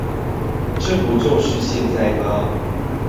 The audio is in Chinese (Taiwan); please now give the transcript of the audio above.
這不就是現在嗎